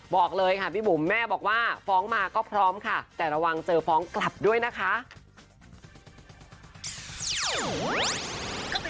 บอกเลยค่ะพี่บุ๋มแม่บอกว่าฟ้องมาก็พร้อมค่ะแต่ระวังเจอฟ้องกลับด้วยนะคะ